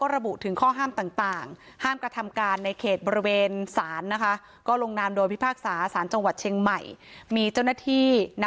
เรื่องข้อกำหนดสารจังหวัดเชียงใหม่